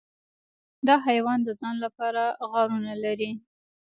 دا حیوان د ځان لپاره غارونه لري.